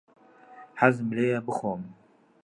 حەزم لێیە بخۆم.